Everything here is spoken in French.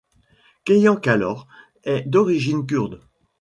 Kayhan Kalhor est d'origine kurde.